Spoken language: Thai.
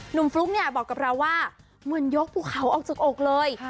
หนุ่มฟลุ๊กบอกกับเราว่าเหมือนยกผู้เขาออกจากอกเลย